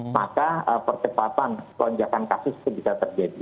maka percepatan lonjakan kasus itu bisa terjadi